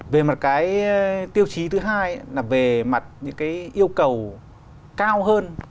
về mặt tiêu chí thứ hai về mặt yêu cầu cao hơn